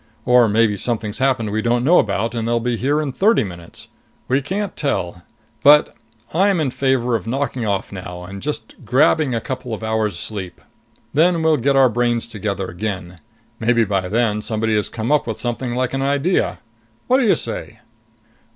Or maybe something's happened we don't know about, and they'll be here in thirty minutes. We can't tell. But I'm in favor of knocking off now and just grabbing a couple of hours' sleep. Then we'll get our brains together again. Maybe by then somebody has come up with something like an idea. What do you say?"